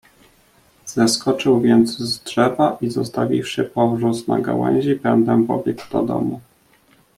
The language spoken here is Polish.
"Zeskoczył więc z drzewa i zostawiwszy powróz na gałęzi, pędem biegł do domu."